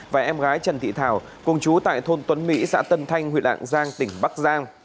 và em gái trần thị thảo cùng chú tại thôn tuấn mỹ xã tân thanh huyện lạng giang tỉnh bắc giang